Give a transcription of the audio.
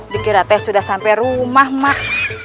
dikira teh sudah sampai rumah mak